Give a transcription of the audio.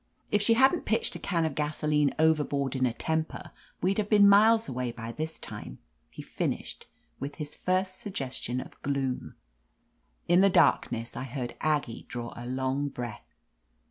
If she hadn't pitched a can of gaso line overboard in a temper, we'd have been miles away by this time," he finished, with his first suggestion of gloom. In the darkness I heard Aggie draw a long breath.